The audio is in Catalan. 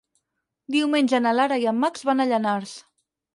Diumenge na Lara i en Max van a Llanars.